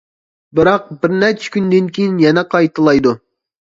بىراق بىر نەچچە كۈندىن كېيىن يەنە قايتىلايدۇ.